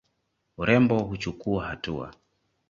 Urembo huchukuwa hatua.